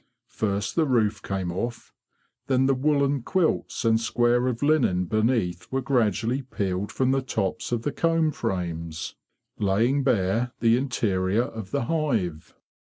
First the roof came off; then the woollen quilts and square of linen beneath were gradually peeled from the tops of the comb frames, laying bare the interior 56 THE BEE MASTER OF WARRILOW of the hive.